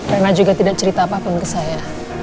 rena juga tidak cerita apa apa ke saya